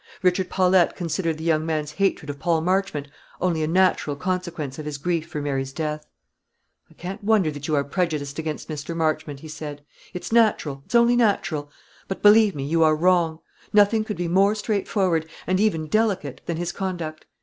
Richard Paulette considered the young man's hatred of Paul Marchmont only a natural consequence of his grief for Mary's death. "I can't wonder that you are prejudiced against Mr. Marchmont," he said; "it's natural; it's only natural; but, believe me, you are wrong. Nothing could be more straightforward, and even delicate, than his conduct.